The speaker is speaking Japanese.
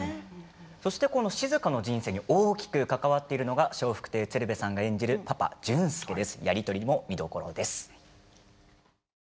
そして静の人生に大きく関わっているのが笑福亭鶴瓶さんが演じるパパ、純介です。